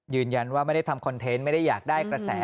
ยืนยันว่าไม่ได้ทำคอนเทนต์ไม่ได้อยากได้กระแส